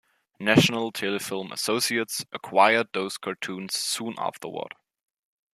National Telefilm Associates acquired those cartoons soon afterward.